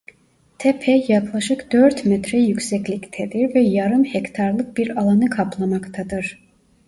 Tepe yaklaşık dört metre yüksekliktedir ve yarım hektarlık bir alanı kaplamaktadır.